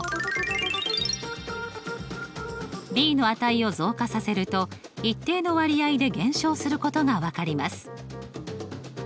ｂの値を増加させると一定の割合で減少することが分かります。